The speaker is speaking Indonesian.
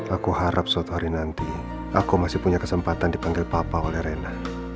aku harap suatu hari nanti aku masih punya kesempatan dipanggil papa oleh rena